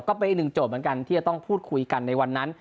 ก็เป็นอีกหนึ่งโจทย์เหมือนกันที่จะต้องพูดคุยกันในวันนั้น